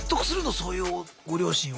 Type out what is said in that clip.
そういうご両親を。